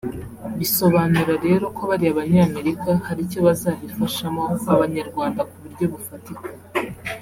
Bisobanura rero ko bariya banyamerika hari icyo bazabifashamo abanyarwanda ku buryo bufatika